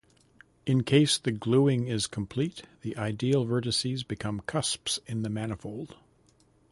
In case the gluing is complete the ideal vertices become cusps in the manifold.